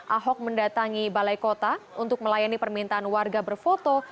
ahok mendatangi balai kota untuk melayani permintaan warga berfoto